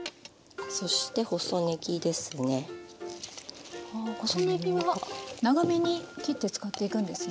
あ細ねぎは長めに切って使っていくんですね。